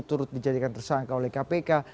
turut dijadikan tersangka oleh kpk